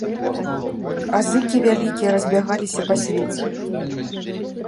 А зыкі вялікія разбягаліся па свеце.